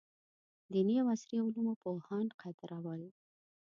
دیني او عصري علومو پوهان قدرول.